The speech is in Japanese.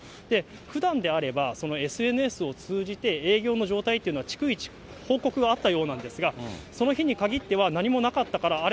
ふだんであれば、そのＳＮＳを通じて、営業の状態というのは、逐一報告があったようなんですが、その日にかぎっては、何もなかったから、あれ？